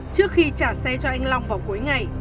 trước khi trả xe cho anh long vào cuối ngày